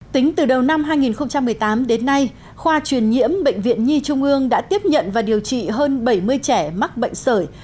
tính từ đầu năm hai nghìn một mươi tám đến nay khoa truyền nhiễm bệnh viện nhi trung ương đã tiếp nhận và điều trị hơn bảy mươi trẻ mắc bệnh sởi